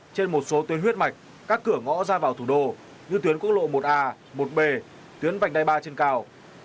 trên một số tuyến huyết mạch các cửa ngõ ra vào thủ đô như tuyến quốc lộ một a một b tuyến vành đai ba trên cao